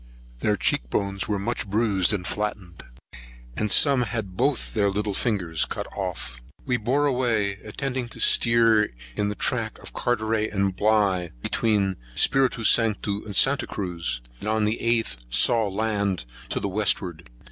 Their cheek bones were much bruised and flattened, and some had both their little fingers cut off.[138 2] We bore away, intending to steer in the track of Carteret and Bligh, between Spirito Santo and Santa Cruz; and on the 8th saw land to the westward.